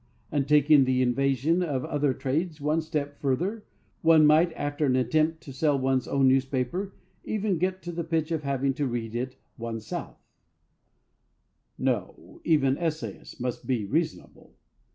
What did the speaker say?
And taking the invasion of other trades one step further one might, after an attempt to sell one's own newspaper, even get to the pitch of having to read it oneself. No; even essayists must be reasonable.